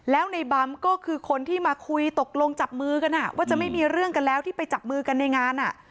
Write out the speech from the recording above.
แล้วในบัมก็คือคนที่มาคุยตกลงจับมือกันว่าจะไม่มีเรื่องกันแล้วที่ไปจับมือกันในงาน